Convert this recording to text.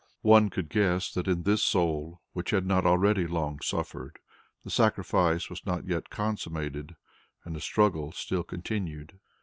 One could guess that in this soul which had already long suffered, the sacrifice was not yet consummated, and the struggle still continued.